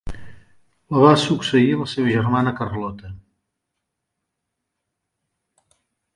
La va succeir la seva germana Carlota.